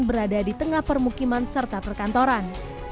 berada di tengah permukiman serta perkantoran